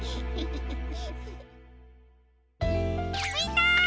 みんな！